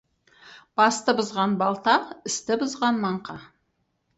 Басты бұзған балта, істі бұзған маңқа.